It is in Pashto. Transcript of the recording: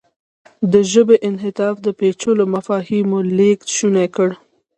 د ژبې انعطاف د پېچلو مفاهیمو لېږد شونی کړ.